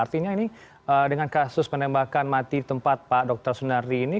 artinya ini dengan kasus penembakan mati di tempat pak dr sunardi ini